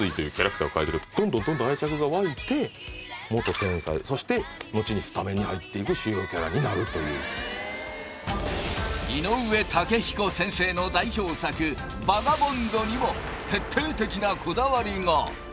天才そして後にスタメンに入っていく主要キャラになるという井上雄彦先生の代表作「バガボンド」にも徹底的なこだわりが！